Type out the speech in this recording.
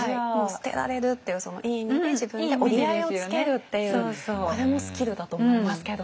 捨てられるっていういい意味で自分で折り合いをつけるっていうこれもスキルだと思いますけどね。